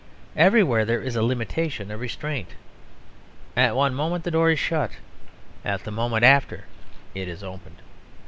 Everywhere there is a limitation, a restraint; at one moment the door is shut, at the moment after it is opened.